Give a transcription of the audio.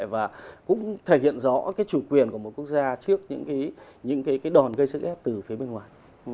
và cũng thể hiện rõ cái chủ quyền của một quốc gia trước những cái đòn gây sức ép từ phía bên ngoài